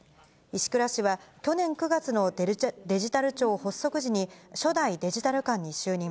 石倉氏は去年９月のデジタル庁発足時に、初代デジタル監に就任。